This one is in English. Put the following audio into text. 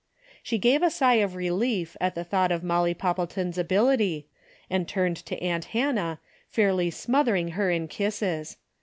She gave a sigh of relief at the thought of Molly Poppleton's ability, and turned to aunt Hannah, fairly smothering her in kisses.